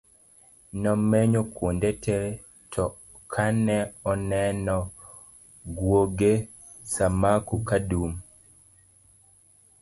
nomenyo kuonde te to ka ne oneno gwoge Sumaku kadum